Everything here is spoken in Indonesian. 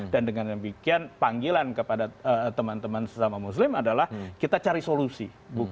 dan dengan demikian panggilan kepada teman teman sesama muslim adalah kita cari solusi